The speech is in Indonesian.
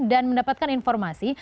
dan mendapatkan informasi